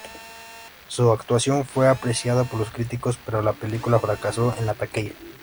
Su actuación fue apreciada por los críticos, pero la película fracasó en la taquilla.